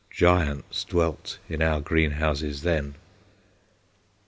Giants dwelt in our greenhouses then.